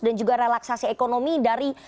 dan juga relaksasi ekonomi dari